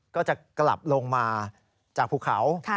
ก็จะกลับลงมาจากภูเขา